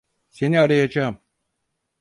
Seni arayacağım.